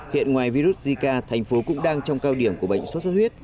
hiện ngoài virus zika thành phố cũng đang trong cao điểm của bệnh sốt xuất huyết